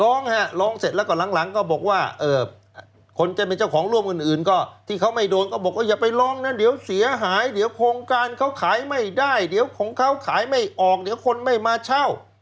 ร้องฮะร้องเสร็จแล้วก็หลังก็บอกว่าคนจะเป็นเจ้าของร่วมอื่นก็ที่เขาไม่โดนก็บอกว่าอย่าไปร้องนะเดี๋ยวเสียหายเดี๋ยวโครงการเขาขายไม่ได้เดี๋ยวของเขาขายไม่ออกเดี๋ยวคนไม่มาเช่า